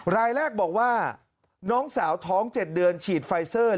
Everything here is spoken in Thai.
รายแรกบอกว่าน้องสาวท้อง๗เดือนฉีดไฟเซอร์